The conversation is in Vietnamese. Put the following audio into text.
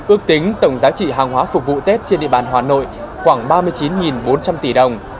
ước tính tổng giá trị hàng hóa phục vụ tết trên địa bàn hà nội khoảng ba mươi chín bốn trăm linh tỷ đồng